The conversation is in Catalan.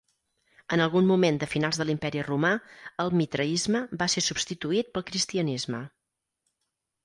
En algun moment de finals de l'Imperi Romà, el mitraisme va ser substituït pel cristianisme.